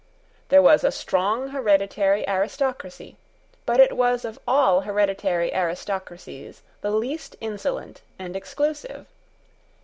There was a strong hereditary aristocracy: but it was of all hereditary aristocracies the least insolent and exclusive.